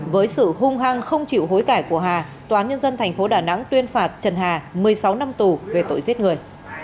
với sự hung hăng không chịu hối cải của hà tòa nhân dân tp đà nẵng tuyên phạt trần hà một mươi sáu năm tù về tội giết người